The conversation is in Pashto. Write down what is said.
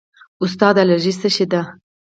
استاده الرژي څه شی ده